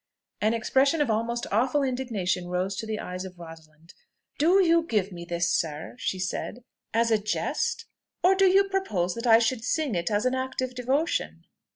An expression of almost awful indignation rose to the eyes of Rosalind. "Do you give me this, sir," she said, "as a jest? or do you propose that I should sing it as an act of devotion?"